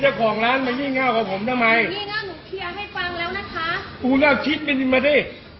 หัวผมทำไมให้ฟังแล้วนะคะคุณค่ะขีดบินมาดิ